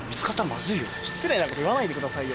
失礼なこと言わないでくださいよ。